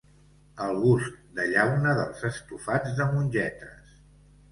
El gust de llauna dels estofats de mongetes